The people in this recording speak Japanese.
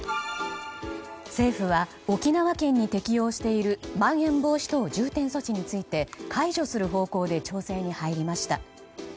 政府は沖縄県に適用しているまん延防止等重点措置について解除する方向で調整に入りました。